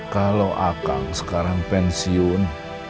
kalau akang sekarang pensiun